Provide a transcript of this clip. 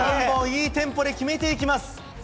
いいテンポで決めていきます。